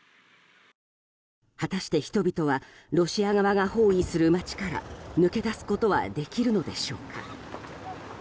果たして人々はロシア側が包囲する街から抜け出すことはできるのでしょうか。